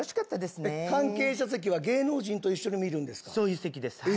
関係者席は芸能人と一緒に見そういう席です。